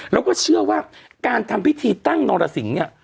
แล้วก็เชื่อว่าการทำพิธีตั้งนรสิงศ์เนี่ย